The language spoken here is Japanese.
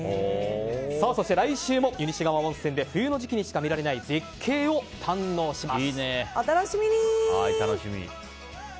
そして、来週も湯西川温泉で冬の時期にしか見られない絶景を堪能します。